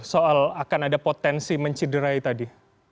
soal akan ada potensi mencederai tadi